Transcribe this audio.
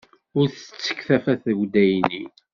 Ur d-tettekk tafat seg uddaynin.